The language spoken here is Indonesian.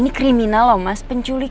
gak mau lapor kantor polisi